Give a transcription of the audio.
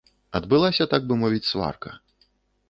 Адбылася, так бы мовіць, сварка.